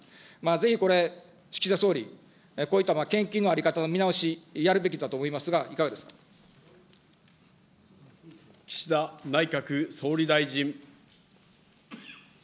ぜひ、これ、岸田総理、こういった献金の在り方の見直し、やるべきだと思いますが、いかが岸田内閣総理大臣。